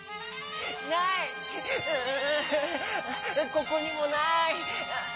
ここにもない！